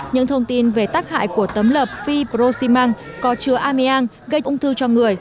những thông tin về tác hại của tấm lợp fibrosimang có chứa ameang gây ung thư cho người